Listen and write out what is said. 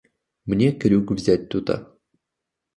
Мне крюк взять тута.